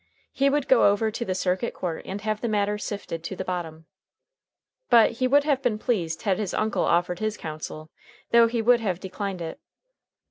He would go over to the circuit court and have the matter sifted to the bottom. But he would have been pleased had his uncle offered his counsel, though he would have declined it.